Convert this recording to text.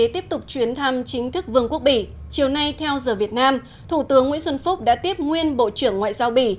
tiếp tục chuyến thăm chính thức vương quốc bỉ chiều nay theo giờ việt nam thủ tướng nguyễn xuân phúc đã tiếp nguyên bộ trưởng ngoại giao bỉ